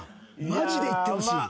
マジでいってほしい。